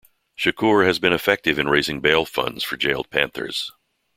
Shakur had been effective in raising bail funds for jailed Panthers.